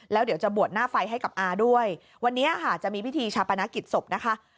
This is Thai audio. แล้วเดี๋ยวจะบวชหน้าไฟให้กับอาด้วยวันนี้ค่ะจะมีพิธีชาปนกิจศพนะคะ